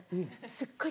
すっごい